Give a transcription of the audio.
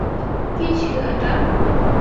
কি ছিল এটা?